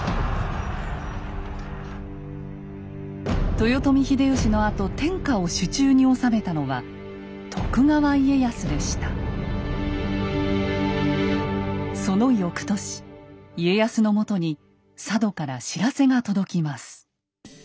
豊臣秀吉のあと天下を手中に収めたのはその翌年家康のもとに佐渡から知らせが届きます。